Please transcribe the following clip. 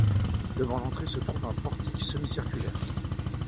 Devant l'entrée se trouve un portique semi-circulaire.